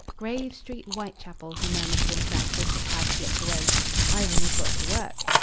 "Grave Street, Whitechapel," he murmured to himself, as the cab slipped away. "Ivan has got to work."